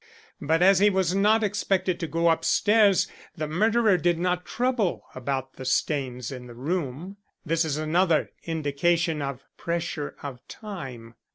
But as he was not expected to go upstairs the murderer did not trouble about the stains in the room. This is another indication of pressure of time."